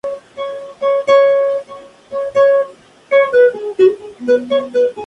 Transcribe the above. Veinte años más tarde se convirtió en residencial con apartamentos privados.